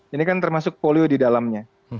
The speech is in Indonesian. ini kan termasuk polio di dalamnya